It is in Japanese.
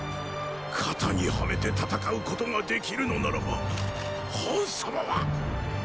“型”にはめて戦うことができるのならば賁様は！